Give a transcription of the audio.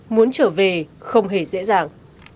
muốn trở về không hề dễ dàng